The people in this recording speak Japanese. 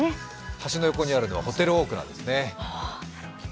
橋の横にあるのはホテルオークラですね。